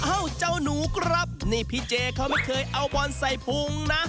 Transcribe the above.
เอ้าเจ้าหนูครับนี่พี่เจเขาไม่เคยเอาบอลใส่พุงนะ